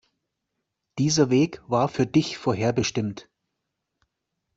Dieser Weg war für dich vorherbestimmt.